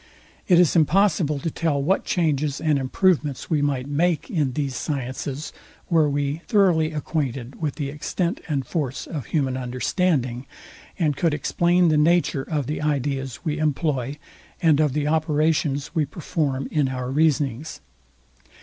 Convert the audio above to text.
It is impossible to tell what changes and improvements we might make in these sciences were we thoroughly acquainted with the extent and force of human understanding, and could explain the nature of the ideas we employ, and of the operations we perform in our reasonings.